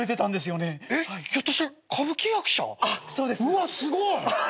うわすごい。